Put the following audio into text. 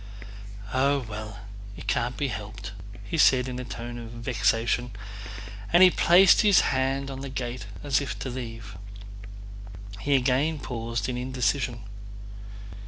"Oh well... it can't be helped!" said he in a tone of vexation and placed his hand on the gate as if to leave. He again paused in indecision.